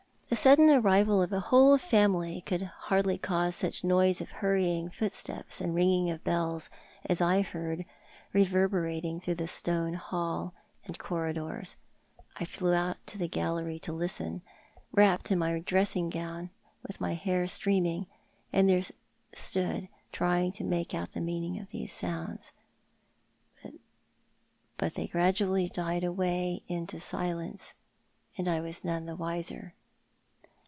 The sudden arrival of a whole family could hardly cause such a noise of hurrying footsteps and ringing of bells as I heard reverberating through the stone hall and corridors. I flew out to the gallery to listen, wrapped in my dressing gown, with my hair streaming— and stood there trying to make out the meaning of those sounds — but they gradually died away into silence, and I was none the witcr.